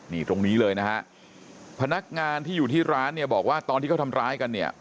นี่ตรงนี้เลยนะฮะพนักงานที่อยู่ที่ร้านเนี่ยบอกว่าตอนที่เขาทำร้ายกันเนี่ย